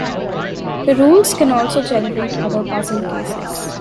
The rules can also generate other puzzle cases.